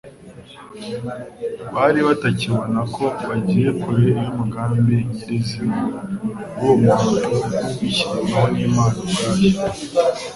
Bari batakibona ko bagiye kure y'umugambi nyirizina w'uwo muhango wishyiriweho n'Imana ubwayo.